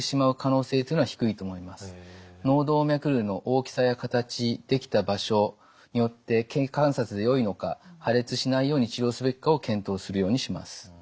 脳動脈瘤の大きさや形できた場所によって経過観察でよいのか破裂しないように治療すべきかを検討するようにします。